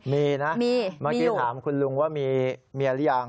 มีนะเมื่อกี้ถามคุณลุงว่ามีเมียหรือยัง